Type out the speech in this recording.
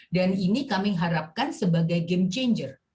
dan ini kami harapkan sebagai game changer